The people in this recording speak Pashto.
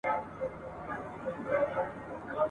دا چي ښځه تر نارینه کمه یا ټيټه ده؟